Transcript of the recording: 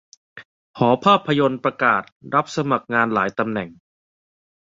หอภาพยนตร์ประกาศรับสมัครงานหลายตำแหน่ง